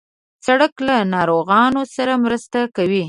سړک له ناروغانو سره مرسته کوي.